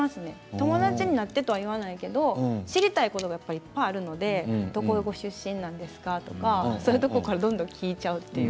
友達になってと言わないけれども知りたいことがいっぱいあるのでどこどこ出身なんですかとかそういうことからどんどん聞いちゃう。